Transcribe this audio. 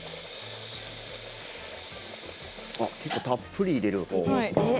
結構たっぷり入れるほう。